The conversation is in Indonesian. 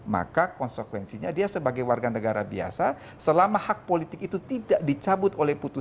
maka konsekuensinya dia sebagai warga negara biasa selama hak politik itu tidak dicabut oleh putusan